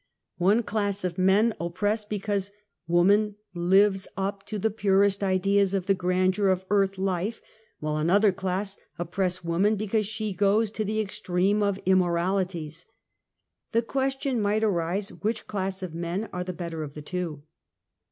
One class of men oi)press because woman lives up to the purest ideas of the grandeur of earth life, while another class oppress woman because she goes to the extreme of immoralities. The question might arise which class of men are the better of the two